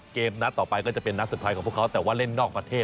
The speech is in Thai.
เกมนัดต่อไปก็จะเป็นนัดสุดท้ายของพวกเขาแต่ว่าเล่นนอกประเทศ